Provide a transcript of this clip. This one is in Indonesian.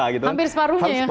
hampir separuhnya ya